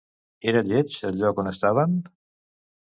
Era lleig el lloc on estaven?